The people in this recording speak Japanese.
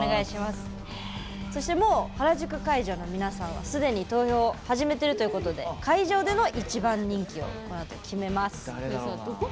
そして、もう原宿会場の皆さんはすでに投票を始めているということで会場での一番人気を決めます。